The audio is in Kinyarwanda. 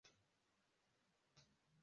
Umuhungu wambaye ipantaro yumuhondo nishati